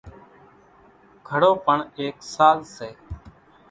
گھڙو پڻ ايڪ ساز سي۔